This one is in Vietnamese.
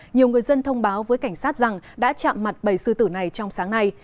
nhiều người dân thông báo với cảnh sát rằng đã chạm mặt bảy sư tử này trong sáng nay